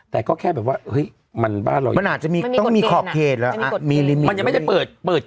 แต่ก็แค่แบบว่าเห้ยมันบ้าหรอกมันอาจจะมีคอปเคสเหรอไม่มีกฎเกณฑ์